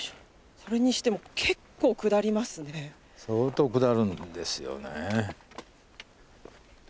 それにしても相当下るんですよね。